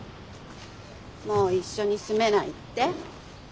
もう一緒に住めないって？